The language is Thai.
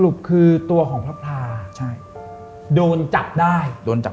สรุปคือตัวของพระพลาโดนจับได้